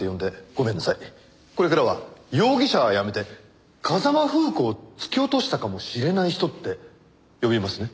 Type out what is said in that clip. これからは容疑者はやめて風間楓子を突き落としたかもしれない人って呼びますね。